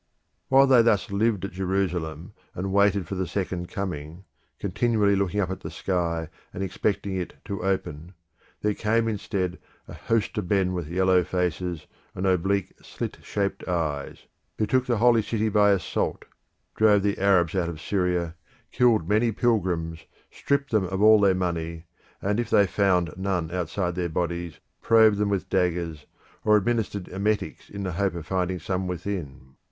While they thus lived at Jerusalem and waited for the second coming, continually looking up at the sky and expecting it to open, there came instead a host of men with yellow faces and oblique slit shaped eyes, who took the Holy City by assault, drove the Arabs out of Syria, killed many pilgrims, stripped them of all their money, and if they found none outside their bodies, probed them with daggers, or administered emetics in the hope of finding some within.